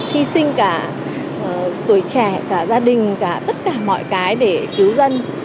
hy sinh cả tuổi trẻ cả gia đình cả tất cả mọi cái để cứu dân